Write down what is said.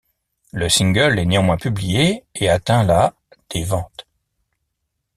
Le single est néanmoins publié et atteint la des ventes.